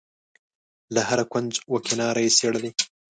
له هره کونج و کناره یې څېړلې.